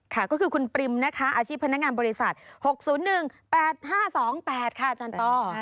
ค่ะก็คือคุณปริมนะคะอาชีพพนักงานบริษัท๖๐๑๘๕๒๘ค่ะอาจารย์ต้อ